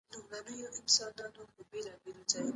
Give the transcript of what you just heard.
د لفظ د نشتون لامله د فقهاوو په اتفاق طلاق نه واقع کيږي.